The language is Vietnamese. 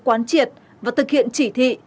quán triệt và thực hiện chỉ thi